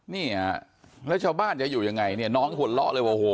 นี่ระเช่าบ้านจะอยู่ยังไงเนี่ยน้องก็หวดล๊อบเลยโอ้โห